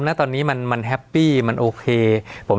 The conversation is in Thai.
สวัสดีครับทุกผู้ชม